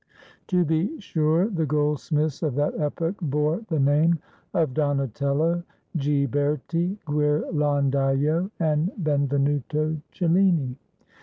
To be sure, the goldsmiths of that epoch bore the name of Donatello, Ghiberti, Guirlandajo and Ben venuto CelUni.